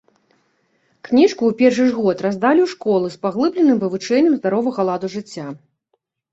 Кніжку ў першы ж год раздалі ў школы з паглыбленым вывучэннем здаровага ладу жыцця.